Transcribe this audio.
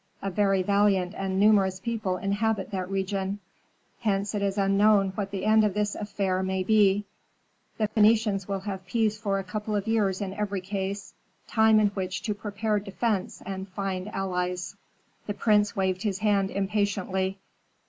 A very valiant and numerous people inhabit that region; hence it is unknown what the end of this affair may be. The Phœnicians will have peace for a couple of years in every case, time in which to prepare defence and find allies " The prince waved his hand impatiently.